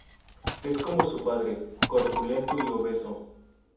Es como su padre, corpulento y obeso.